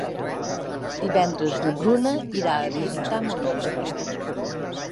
Divendres na Bruna irà a visitar mon oncle.